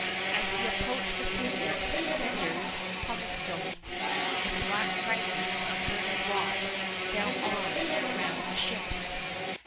As he approached Vesuvius, cinders, pumice stones, and black fragments of burning rock, fell on and around the ships.